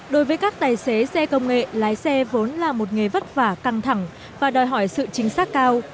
đối với các tài xế xe công nghệ lái xe vốn là một nghề vất vả căng thẳng và đòi hỏi sự chính xác cao